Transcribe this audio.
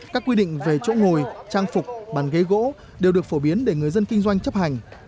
các quy định về chỗ ngồi trang phục bàn ghế gỗ đều được phổ biến để người dân kinh doanh chấp hành